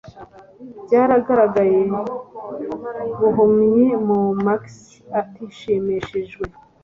Byaragaragaye buhumyi ko Max atashimishijwe